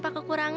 suatu sisi frank